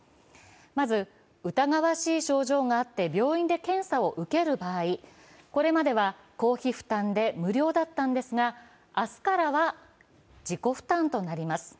まず、疑わしい症状があって病院で検査を受ける場合、これまでは公費負担で無料だったんですが、明日からは自己負担となります。